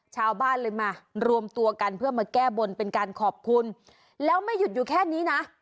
ชาวบ้านเลยมารวมตัวกันเพื่อมาแก้บนเป็นการขอบคุณแล้วไม่หยุดอยู่แค่นี้นะ